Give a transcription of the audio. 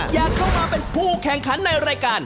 อยากเข้ามาเป็นผู้แข่งขันในรายการ